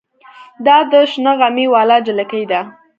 دا د شنه غمي واله جلکۍ ده.